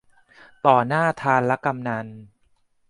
ต่อหน้าธารกำนัล